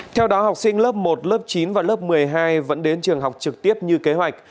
theo đó học sinh lớp một lớp chín và lớp một mươi hai vẫn đến trường học trực tiếp như kế hoạch